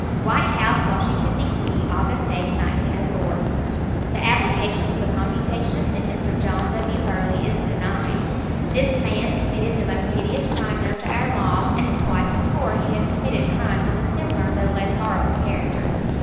WHITE HOUSE, WASHINGTON, D. C., August 8, 1904. The application for the commutation of sentence of John W. Burley is denied. This man committed the most hideous crime known to our laws, and twice before he has committed crimes of a similar, though less horrible, character.